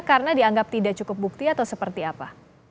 karena dianggap tidak cukup bukti atau seperti apa